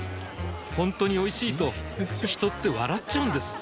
ほんとにおいしいと人って笑っちゃうんです